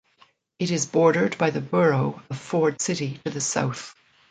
It is bordered by the borough of Ford City to the south.